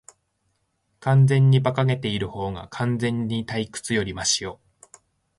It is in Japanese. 完全に馬鹿げているほうが、完全に退屈よりマシよ。